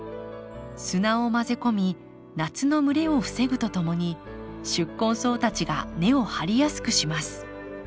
砂を混ぜ込み夏の蒸れを防ぐとともに宿根草たちが根を張りやすくします